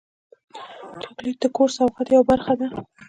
چاکلېټ د کور د سوغات یوه برخه ده.